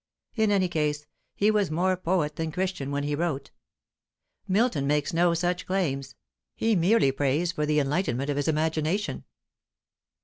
In any case, he was more poet than Christian when he wrote. Milton makes no such claims; he merely prays for the enlightenment of his imagination."